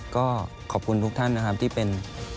ก็ขอบคุณทุกท่านนะครับที่เป็น